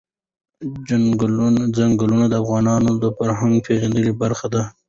چنګلونه د افغانانو د فرهنګي پیژندنې برخه ده.